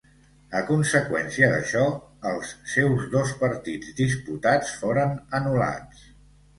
A conseqüència d'això els seus dos partits disputats foren anul·lats.